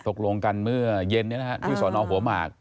ตกลงกันเมื่อเย็นที่สอนอหัวหมาก